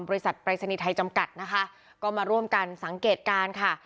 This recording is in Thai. ปรายศนีย์ไทยจำกัดนะคะก็มาร่วมกันสังเกตการณ์ค่ะ